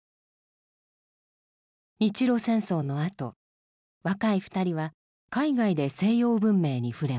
日露戦争のあと若い２人は海外で西洋文明に触れます。